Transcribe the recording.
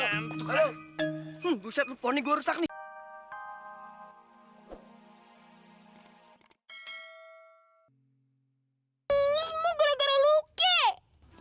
emang semua gara gara lu kek